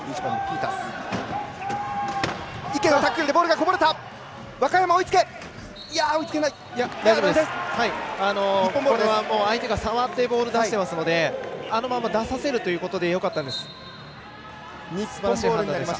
これは相手が触ってボールを出してますのであのまま出させるということでよかったんです。